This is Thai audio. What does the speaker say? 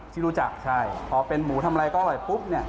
ที่รู้จักใช่พอเป็นหมูทำอะไรก็อร่อยปุ๊บเนี่ย